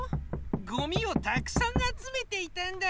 ゴミをたくさんあつめていたんだ。